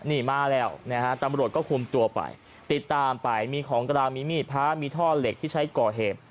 นี่มาแล้วนะฮะตำรวจก็คุมตัวไปติดตามไปมีของกลางมีมีดพระมีท่อเหล็กที่ใช้ก่อเหตุ